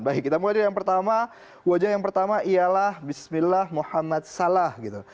baik kita mulai dari yang pertama wajah yang pertama ialah bismillah muhammad salah gitu